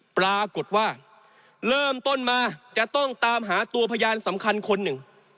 ปรากฏว่าเริ่มต้นมาจะต้องตามหาตัวพยานสำคัญคนหนึ่ง